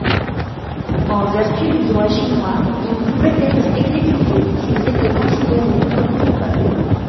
En vertu du droit chinois, ils pouvaient être exécutée s'ils étaient considérés comme coupables.